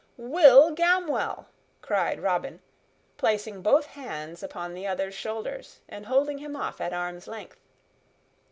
Will Gamwell!" cried Robin, placing both hands upon the other's shoulders and holding him off at arm's length.